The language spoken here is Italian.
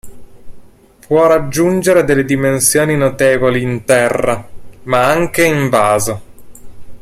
Può raggiungere delle dimensioni notevoli in terra, ma anche in vaso.